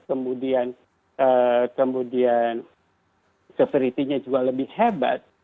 kemudian kemudian keseluruhannya juga lebih hebat